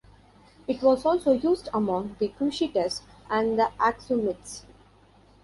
It was also used among the Kushites and the Aksumites.